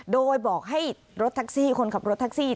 โดยบอกให้รถแท็กซี่คนขับรถแท็กซี่